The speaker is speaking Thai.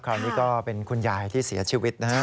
คราวนี้ก็เป็นคุณยายที่เสียชีวิตนะฮะ